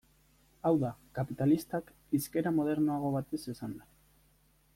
Hau da, kapitalistak, hizkera modernoago batez esanda.